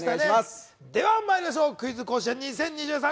ではまいりましょう、クイズ甲子園２０２３